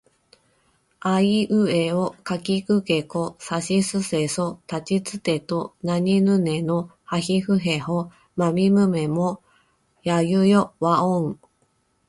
あいうえおかきくけこさしすせそたちつてとなにぬねのはひふへほまみむめもやゆよわをん